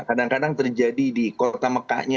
kadang kadang terjadi di kota mekahnya